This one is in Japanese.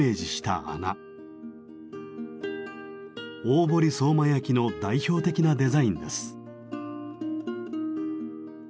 大堀相馬焼の代表的なデザインです。